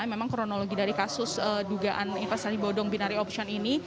memang kronologi dari kasus dugaan investasi bodong binari option ini